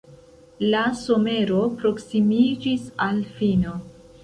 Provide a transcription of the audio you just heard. La somero proksimiĝis al fino.